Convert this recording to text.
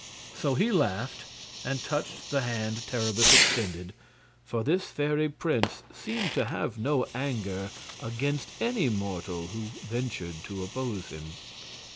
So he laughed and touched the hand Terribus extended, for this fairy prince seemed to have no anger against any mortal who ventured to oppose him.